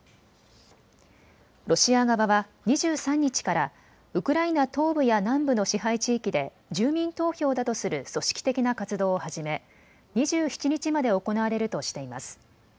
ロシア側は２３日からウクライナ東部や南部の支配地域で住民投票だとする組織的な活動を始め、２７日まで行われるとしています。